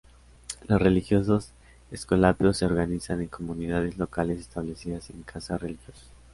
Los religiosos escolapios se organizan en Comunidades Locales establecidas en Casas religiosas.